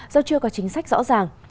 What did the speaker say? do chưa có chính sách rõ ràng